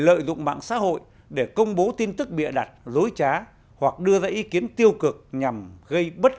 lợi dụng mạng xã hội để công bố tin tức bịa đặt dối trá hoặc đưa ra ý kiến tiêu cực nhằm gây bất